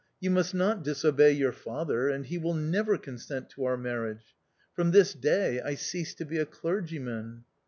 You must not disobey your father ; and he will never consent to our marriage. From this day I cease to be a clergyman."